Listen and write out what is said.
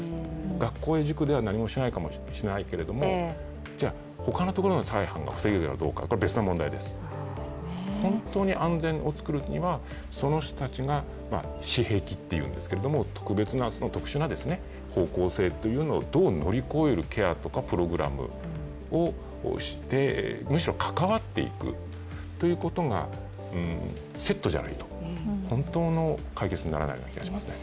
学校や塾では何もしないけれども、じゃあ他のところでの再犯が防げるかどうかはこれは別の問題です、本当に安全を作るには、その人たちが特殊な方向性というのをどう乗り越えるケアとか、プログラムをしてむしろ関わっていくということがセットじゃないと、本当の解決にならないような気がしますね。